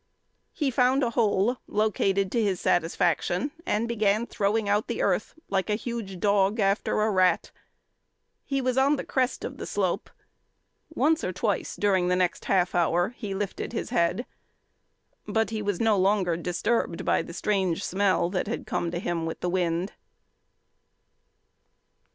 He found a hole located to his satisfaction and began throwing out the earth like a huge dog after a rat. He was on the crest of the slope. Once or twice during the next half hour he lifted his head, but he was no longer disturbed by the strange smell that had come to him with the wind.